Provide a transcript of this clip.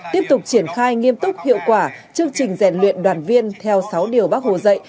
tiếp tục triển khai nghiêm túc hiệu quả chương trình rèn luyện đoàn viên theo sáu điều bác hồ dạy